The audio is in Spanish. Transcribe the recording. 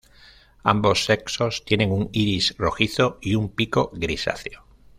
Ambos sexos tienen un iris rojizo y un pico grisáceo.